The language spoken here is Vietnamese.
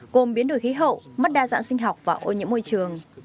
gồm biến đổi khí hậu mất đa dạng sinh học và ô nhiễm môi trường